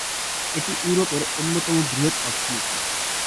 এটা ইউরোপের অন্যতম বৃহৎ অর্থনীতি।